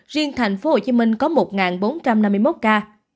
riêng tp hcm có một bốn trăm năm mươi một ca